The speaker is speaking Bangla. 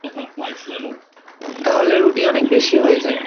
তাহলে, রুটি অনেক বেশি হয়ে যায়।